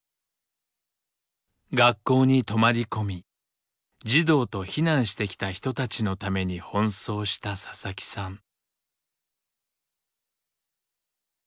学校に泊まり込み児童と避難してきた人たちのために奔走した佐々木さん。